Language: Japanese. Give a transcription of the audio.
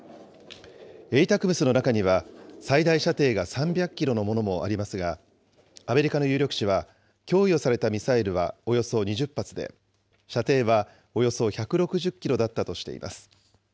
ＡＴＡＣＭＳの中には、最大射程が３００キロのものもありますが、アメリカの有力紙は、供与されたミサイルはおよそ２０発で、射程はおよそ１６０キロだったとしています。